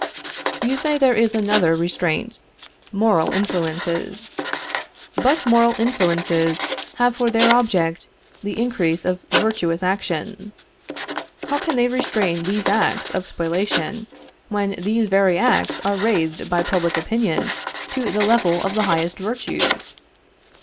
You say there is another restraint moral influences. But moral influences have for their object the increase of virtuous actions. How can they restrain these acts of spoliation when these very acts are raised by public opinion to the level of the highest virtues?